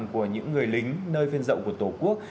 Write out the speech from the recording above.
của những người lính nơi phiên rộng của tổ quốc